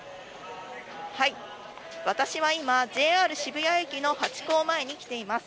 私は今、ＪＲ渋谷駅のハチ公前に来ています。